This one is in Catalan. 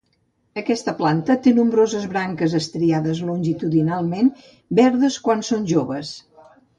Aquesta planta té nombroses branques estriades longitudinalment, verdes quan són joves.